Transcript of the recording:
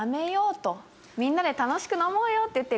「みんなで楽しく飲もうよ！」と言って。